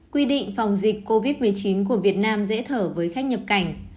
quy định phòng dịch covid một mươi chín của việt nam dễ thở với khách nhập cảnh